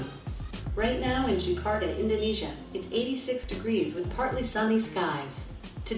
sekarang di jakarta indonesia itu delapan puluh enam derajat celcius dengan kebanyakan matahari